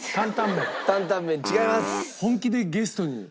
担々麺違います。